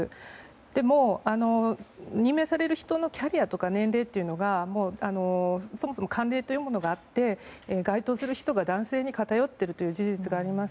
でも任命される人のキャリアとか年齢というのがそもそも慣例というのがあって該当する人が男性に偏っている事実があります。